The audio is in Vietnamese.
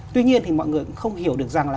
tuy nhiên thì mọi người cũng không hiểu được rằng là